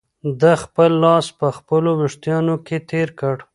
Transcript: ده خپل لاس په خپلو وېښتانو کې تېر کړ.